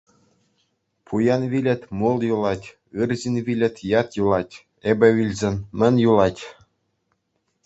Пуян вилет — мул юлать, ыр ҫын вилет — ят юлать, эпӗ вилсен, мӗн юлать?